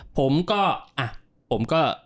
ผมก็อ่ะผมก็